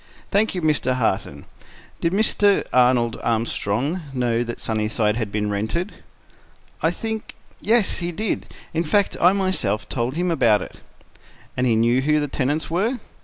"Thank you. Mr. Harton, did Mr. Arnold Armstrong know that Sunnyside had been rented?" "I think—yes, he did. In fact, I myself told him about it." "And he knew who the tenants were?"